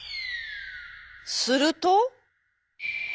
すると。